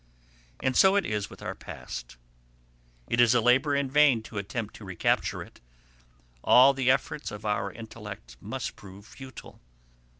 And so it is with our own past. It is a labour in vain to attempt to recapture it: all the efforts of our intellect must prove futile.